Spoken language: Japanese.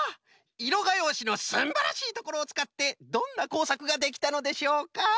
いろがようしのすんばらしいところをつかってどんなこうさくができたのでしょうか？